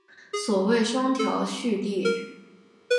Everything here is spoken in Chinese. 所谓双调序列。